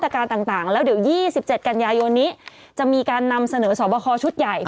๒๗กันยายนี้จะมีการนำเสนอสอบคอชุดใหญ่